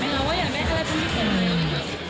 ไม่มีค่ะ